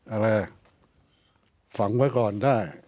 อะไรอ่ะฝังไว้ก่อนได้